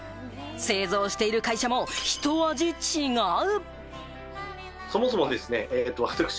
製造している会社もひと味違う。